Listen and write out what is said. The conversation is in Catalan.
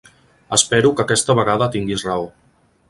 Espero que aquesta vegada tinguis raó.